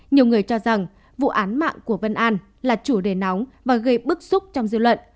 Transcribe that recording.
nhiều người cho rằng vụ án mạng của vân an là chủ đề nóng và gây bức xúc trong dư luận